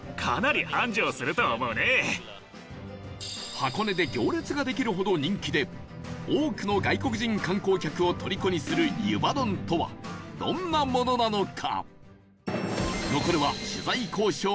箱根で行列ができるほど人気で多くの外国人観光客をとりこにする湯葉丼とはどんなものなのか？